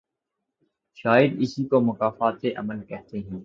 شاید اسی کو مکافات عمل کہتے ہیں۔